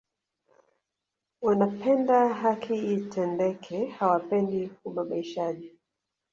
Wanapenda haki itendeke hawapendi ubabaishaji